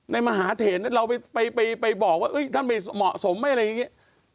มหาเถนเราไปบอกว่าท่านไม่เหมาะสมไหมอะไรอย่างนี้